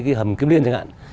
cái hầm kiếm liên chẳng hạn